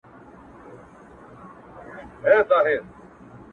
چي دا مي څرنگه او چاته سجده وکړه!